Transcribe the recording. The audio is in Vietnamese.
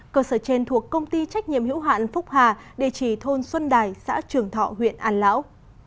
cơ sở trên thuộc công ty trách nhiệm hữu hạn phúc hà địa chỉ thôn xuân đài xã trường thọ huyện an lão